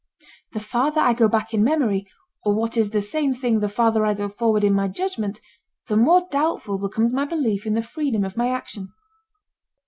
The farther I go back in memory, or what is the same thing the farther I go forward in my judgment, the more doubtful becomes my belief in the freedom of my action.